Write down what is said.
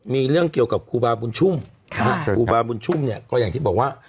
มีเรื่องเกี่ยวกับครูบาบุญชุ่มครูบาบุญชุ่มเนี่ยก็อย่างที่บอกว่า